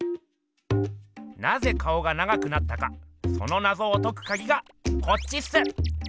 なぜ顔が長くなったかそのナゾを解くカギがこっちっす！